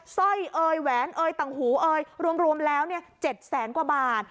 สร้อยเอยแหวนเอยต่างหูเอ่ยรวมแล้ว๗แสนกว่าบาท